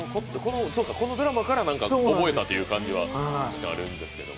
このドラマから覚えたって感じもなんかあるんですけど。